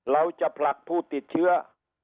เราจะผลักผู้ติดเชื้อ